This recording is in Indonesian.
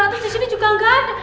terus disini juga gak ada